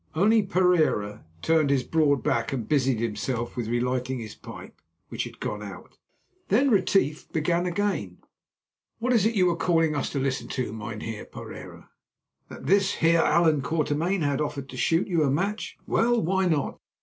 Only Pereira turned his broad back and busied himself with relighting his pipe, which had gone out. Then Retief began again. "What is it you were calling us to listen to, Mynheer Pereira? That this Heer Allan Quatermain had offered to shoot you a match? Well, why not?